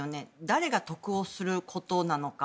誰が得をすることなのか。